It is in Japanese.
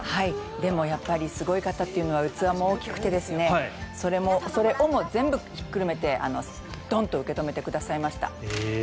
でも、やっぱりすごい方というのは器も大きくてそれをも全部ひっくるめてドンと受け止めてくださいました。